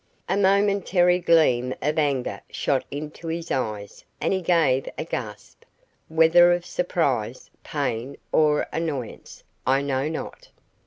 A momentary gleam of anger shot into his eyes and he gave a gasp, whether of surprise, pain, or annoyance, I know not.